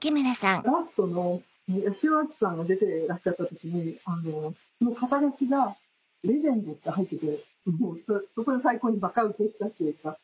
ラストの八代亜紀さんが出てらっしゃった時に肩書が「レジェンド」って入っててそこで最高にバカウケしたっていうか。